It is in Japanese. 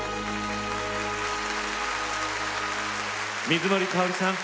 水森かおりさん